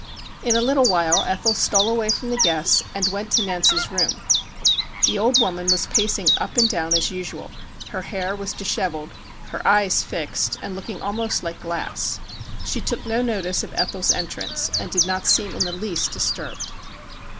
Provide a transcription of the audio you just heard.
In a little while Ethel stole away from the guests and went to Nance's room. The old woman was pacing up and down as usual. Her hair was dishevelled, her eyes fixed, and looking almost like glass. She took no notice of Ethel's entrance, and did not seem in the least disturbed.